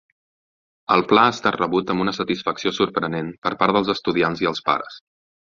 El pla ha estat rebut amb una satisfacció sorprenent per part dels estudiants i els pares.